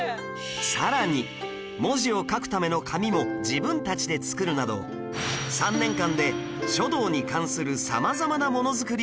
さらに文字を書くための紙も自分たちで作るなど３年間で書道に関する様々なものづくりを学ぶんです